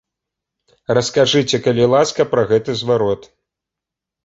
Раскажыце, калі ласка, пра гэты зварот.